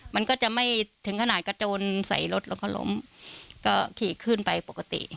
มันก็จะไม่ถึงขนาดกระโจนใส่รถแล้วก็ล้มก็ขี่ขึ้นไปปกติ